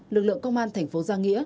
lực lượng công an thành phố gia nghĩa